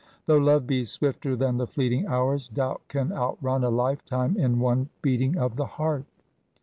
Though love be swifter than the fleeting hours, doubt can outrun a lifetime in one beating of the heart.